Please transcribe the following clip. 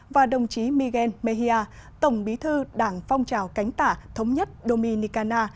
và đồng chí miguel mea tổng bí thư đảng phong trào cánh tả thống nhất dominicana